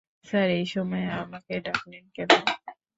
Sir, এই সময়ে আমাকে ডাকলেন কেন?